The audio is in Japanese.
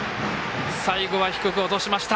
最後は低く落としました。